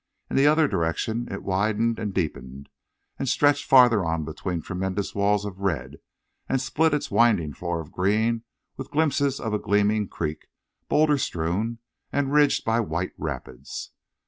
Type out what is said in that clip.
In the other direction, it widened and deepened, and stretched farther on between tremendous walls of red, and split its winding floor of green with glimpses of a gleaming creek, bowlder strewn and ridged by white rapids.